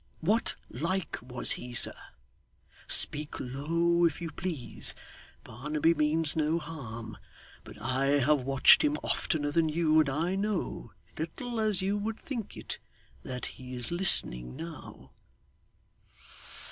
What like was he, sir? Speak low, if you please. Barnaby means no harm, but I have watched him oftener than you, and I know, little as you would think it, that he's listening now.